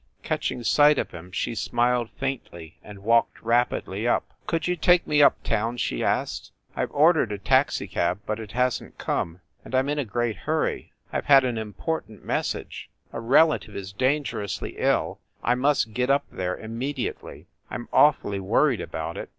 Catching sight of him, she smiled faintly, and walked rapidly up. "Could you take me up town?" she asked. "I ve ordered a taxicab, but it hasn t come, and I m in a great hurry. I ve had an important message a relative is dangerously ill I must get up there im mediately. I m awfully worried about it!"